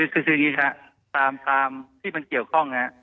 คือสิ่งนี้ค่ะตามที่มันเกี่ยวข้อง